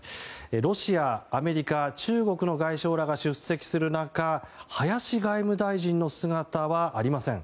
ロシア、アメリカ、中国の外相らが出席する中林外務大臣の姿はありません。